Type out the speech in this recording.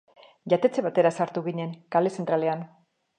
Jatetxe batera sartu ginen, kale zentraletan.